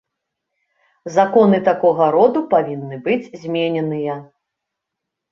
Законы такога роду павінны быць змененыя.